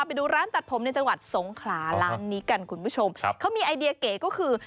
เป็นร้านตัดผมในจังหวัดทรงฯคราลังนี้กันคุณผู้ชมก็มีไอเดียเกรกก็คือ